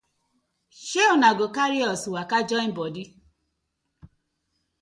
Sey una go karry us waka join bodi.